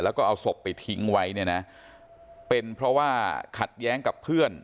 แล้วก็เอาศพไปทิ้งไว้เนี่ยนะเป็นเพราะว่าขัดแย้งกับเพื่อน